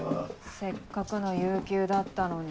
せっかくの有休だったのに。